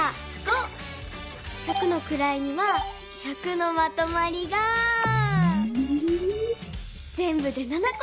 百のくらいには１００のまとまりがぜんぶで７こ。